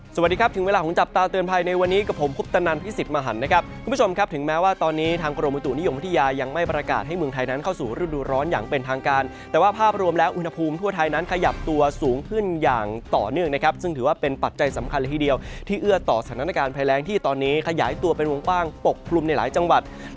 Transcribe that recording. สวัสดีครับถึงเวลาของจับตาเตือนภัยในวันนี้กับผมคุกตะนันท์พิสิทธิ์มหันต์นะครับคุณผู้ชมครับถึงแม้ว่าตอนนี้ทางกรมอุตุนิยมพัทยายังไม่ประกาศให้เมืองไทยนั้นเข้าสู่รูดร้อนอย่างเป็นทางการแต่ว่าภาพรวมและอุณหภูมิทั่วไทยนั้นขยับตัวสูงขึ้นอย่างต่อเนื่องนะครับซึ่งถือว